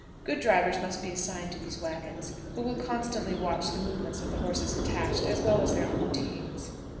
Good drivers must be assigned to these wagons, who will constantly watch the movements of the horses attached, as well as their own teams.